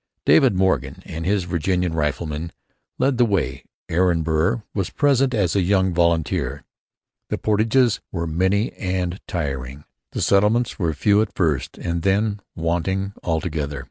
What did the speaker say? Daniel Morgan and his Virginian riflemen led the way. Aaron Burr was present as a young volunteer. The portages were many and trying. The settlements were few at first and then wanting altogether.